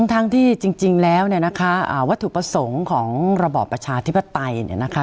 ทั้งที่จริงแล้ววัตถุประสงค์ของระบอบประชาธิปไตย